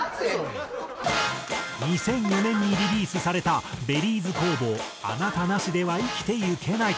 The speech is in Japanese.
２００２年にリリースされたＢｅｒｒｙｚ工房『あなたなしでは生きてゆけない』。